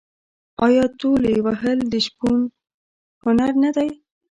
آیا تولې وهل د شپون هنر نه دی؟